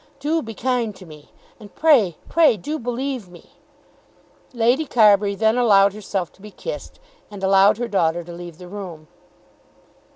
"Do be kind to me; and pray, pray, do believe me." Lady Carbury then allowed herself to be kissed, and allowed her daughter to leave the room.